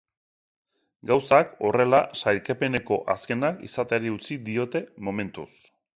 Gauzak horrela, sailkapeneko azkenak izateari utzi diote, momentuz.